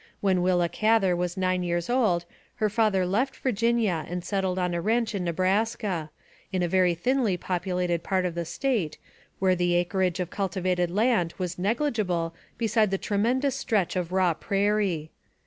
When Willa Gather was 9 years old her father left Virginia and settled on a ranch in Nebraska, in a very thinly populated part of the State where the acreage of cultivated land was negligible beside the tremendous stretch of raw prairie.